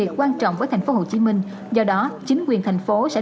chúng tôi sẽ trả lời